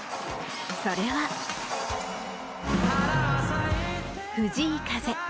それは、藤井風。